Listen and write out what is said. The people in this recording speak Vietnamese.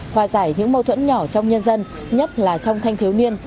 hòa giải những mâu thuẫn nhỏ trong nhân dân nhất là trong thanh thiếu niên